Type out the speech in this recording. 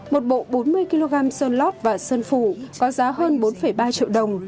một bộ bốn mươi kg sơn lót và sơn phủ có giá hơn bốn ba triệu đồng